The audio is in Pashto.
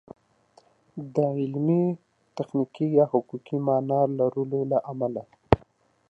د علمي، تخنیکي یا حقوقي مانا لرلو له امله